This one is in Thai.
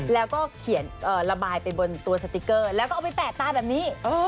แล้วก็เขียนระบายไปบนตัวสติ๊กเกอร์แล้วก็เอาไปแปะตาแบบนี้